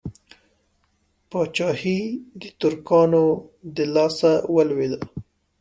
پاچهي د ترکانو د لاسه ولوېده.